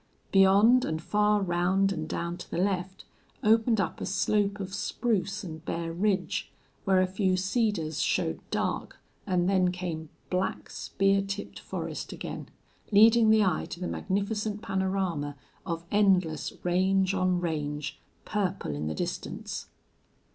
Beyond, and far round and down to the left, opened up a slope of spruce and bare ridge, where a few cedars showed dark, and then came black, spear tipped forest again, leading the eye to the magnificent panorama of endless range on range, purple in the distance.